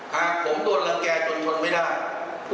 หากผมโดนรังแก่จนทนไม่ได้